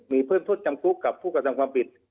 มีเพิ่มโทษจำคุกกับผู้กระทำความผิด